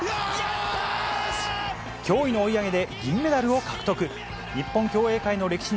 驚異の追い上げで銀メダルを獲得。